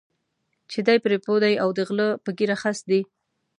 چې دی پرې پوه دی او د غله په ږیره خس دی.